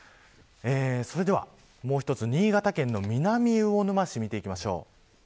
それでは、もう１つ新潟県の南魚沼市見ていきましょう。